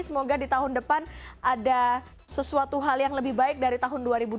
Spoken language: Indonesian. semoga di tahun depan ada sesuatu hal yang lebih baik dari tahun dua ribu dua puluh